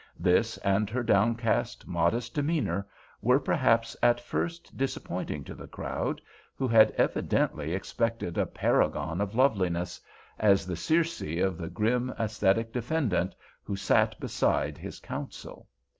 This and her downcast modest demeanor were perhaps at first disappointing to the crowd, who had evidently expected a paragon of loveliness—as the Circe of the grim ascetic defendant, who sat beside his counsel.